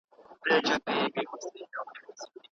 ولي د عضلاتو ارامول د ذهن د ارامولو لامل کېږي؟